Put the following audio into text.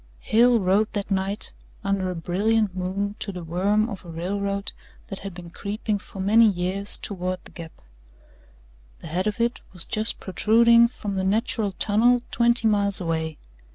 XIII Hale rode that night under a brilliant moon to the worm of a railroad that had been creeping for many years toward the Gap. The head of it was just protruding from the Natural Tunnel twenty miles away.